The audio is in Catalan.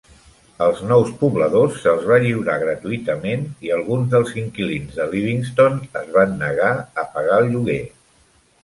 Als nous pobladors se'ls va lliurar gratuïtament i alguns dels inquilins de Livingston es van negar a pagar el lloguer.